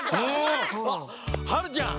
はるちゃん